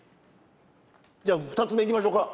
じゃあ２つ目いきましょか。